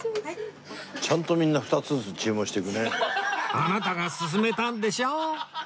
あなたが勧めたんでしょ！